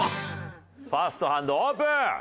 ファーストハンドオープン！